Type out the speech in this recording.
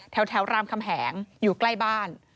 รามคำแหงอยู่ใกล้บ้าน